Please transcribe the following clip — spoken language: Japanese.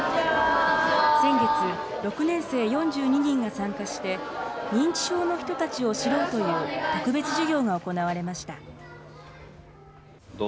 先月、６年生４２人が参加して、認知症の人たちを知ろうという特別授業が行われました。